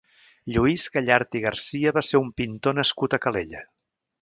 Lluís Gallart i Garcia va ser un pintor nascut a Calella.